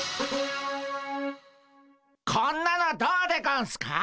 こんなのどうでゴンスか？